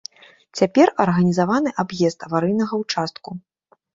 Цяпер арганізаваны аб'езд аварыйнага ўчастку.